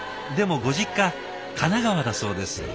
でもご実家神奈川だそうです。